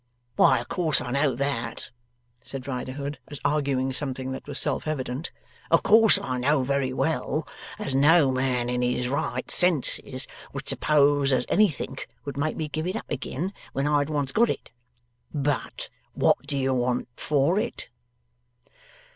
'Why, o' course I know THAT,' said Riderhood, as arguing something that was self evident. 'O' course I know very well as no man in his right senses would suppose as anythink would make me give it up agin when I'd once got it. But what do you want for it?